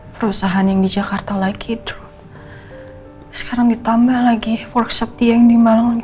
perusahaan yang di jakarta lagi tuh sekarang ditambah lagi workshop dia yang di malang lagi